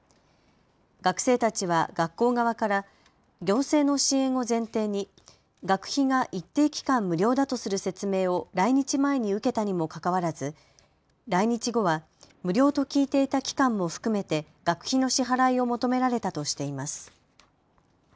学生たちは学校側から行政の支援を前提に学費が一定期間、無料だとする説明を来日前に受けたにもかかわらず来日後は無料と聞いていた期間も含めて学費の支払いを求められたとしています。